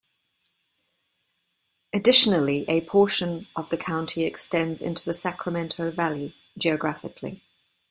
Additionally, a portion of the county extends into the Sacramento Valley, geographically.